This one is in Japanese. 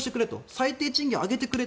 最低賃金を上げてくれ。